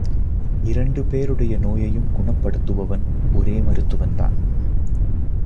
இரண்டு பேருடைய நோயையும் குணப்படுத்துபவன் ஒரே மருத்துவன் தான்.